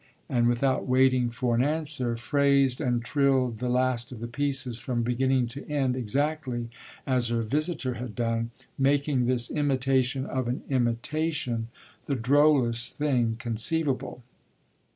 and, without waiting for an answer, phrased and trilled the last of the pieces, from beginning to end, exactly as her visitor had done, making this imitation of an imitation the drollest thing conceivable.